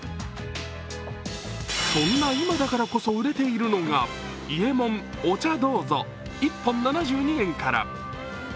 そんな今だからこそ売れているのが伊右衛門「お茶、どうぞ」１本７２円から。